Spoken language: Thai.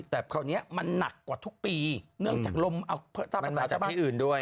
แต่คราวเนี้ยมันหนักกว่าทุกปีเนื่องจากลมเอามันมาจากที่อื่นด้วย